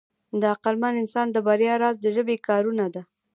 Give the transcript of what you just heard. د عقلمن انسان د بریا راز د ژبې کارونه ده.